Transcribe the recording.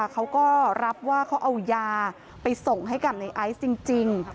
เขาก็รับว่าเขาเอายาไปส่งให้กับในไอซ์จริง